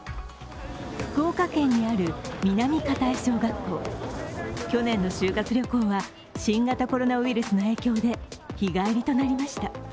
福岡県にある南片江小学校去年の修学旅行は新型コロナウイルスの影響で日帰りとなりました。